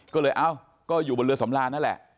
ก็เลยเอ้าก็อยู่บนเรือสำราญนั่นแหละ